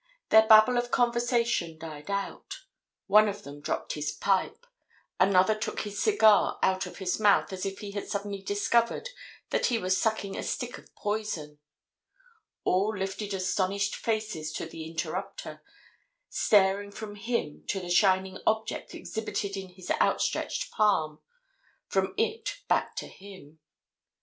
Their babble of conversation died out; one of them dropped his pipe; another took his cigar out of his mouth as if he had suddenly discovered that he was sucking a stick of poison; all lifted astonished faces to the interrupter, staring from him to the shining object exhibited in his outstretched palm, from it back to him.